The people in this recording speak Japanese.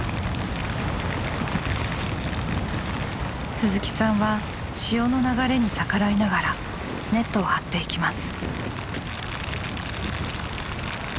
鈴木さんは潮の流れに逆らいながらネットを張っていきます。